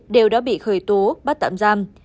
đều đã bị khởi tố bắt tạm giam